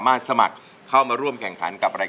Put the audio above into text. ๒๕๐๐บาทครับ